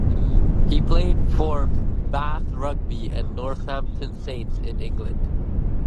He played for Bath Rugby and Northampton Saints in England.